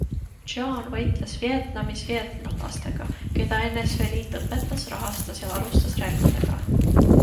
John võitles Vietnamis vietnamlastega, keda NSV Liit õpetas, rahastas ja varustas relvadega.